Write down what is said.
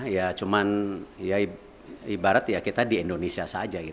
ya cuman ibarat kita di indonesia saja